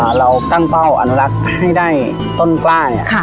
เอ่อเราตั้งเป้าอนุรักษ์ให้ได้ต้นกล้า